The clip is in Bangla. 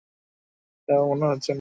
তাও মনে হচ্ছে না।